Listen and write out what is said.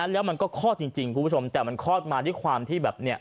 แล้วมันก็คลอดจริงคุณผู้ชมแต่มันคลอดมาด้วยความที่แบบเนี่ย